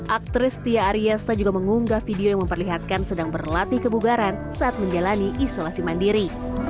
aktris tia ariesta juga mengunggah video yang memperlihatkan sedang berlatih kebugaran saat menjalani isolasi mandiri